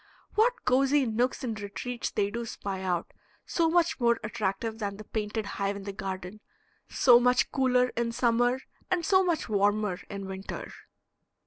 What cozy nooks and retreats they do spy out, so much more attractive than the painted hive in the garden, so much cooler in summer and so much warmer in winter!